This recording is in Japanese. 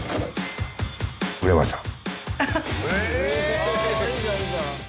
売れました。